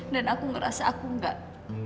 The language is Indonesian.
dan aku ngerasa aku gak